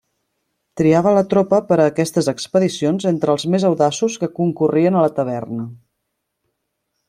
Triava la tropa per a aquestes expedicions entre els més audaços que concorrien a la taverna.